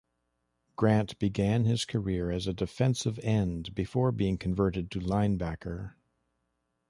Grant began his career as a defensive end before being converted to linebacker.